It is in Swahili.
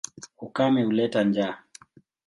Ukame huleta njaa.